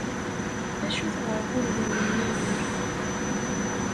D acu-t ɣer ɣur-wen Yennayer?